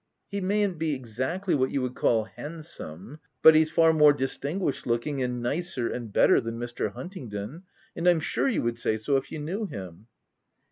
He mayn't be, exactly what you would call hand some, but he's far more distinguished looking, and nicer and better than Mr. Huntingdon ;— and I'm sure you would say so, if you knew him."